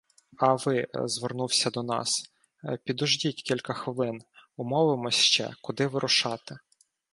А ви, — звернувся до нас, — підождіть кілька хвилин, умовимося ще, куди вирушати.